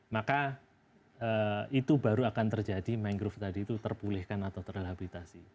maka itu baru akan terjadi mangrove tadi itu terpulihkan atau terrehabilitasi